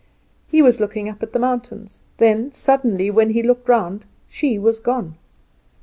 He was looking up at the mountains, then suddenly when he looked round she was gone.